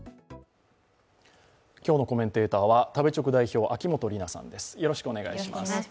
今日のコメンテーターは食べチョク代表、秋元里奈さんです。